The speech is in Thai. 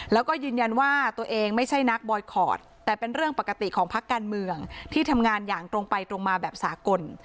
แล้วก็ยืนยันว่าตัวเองไม่ใช่นักบอยคอร์ดแต่เป็นเรื่องปกติของพักการเมืองที่ทำงานอย่างตรงไปตรงมาแบบสากล